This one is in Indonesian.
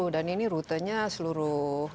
dan ini rutenya seluruh